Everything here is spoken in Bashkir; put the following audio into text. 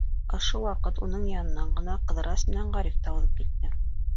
Ошо ваҡыт уның янынан ғына Ҡыҙырас менән Ғариф та уҙып китте.